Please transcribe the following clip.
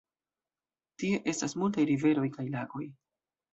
Tie estas multaj riveroj kaj lagoj.